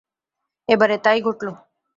এবারে তাই ঘটল।